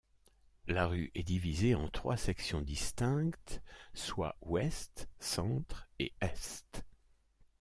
La rue est divisée en trois sections distinctes, soit Ouest, Centre et Est.